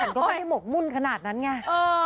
แต่ก็ไม่ได้หมกมุ่นขนาดนั้นไง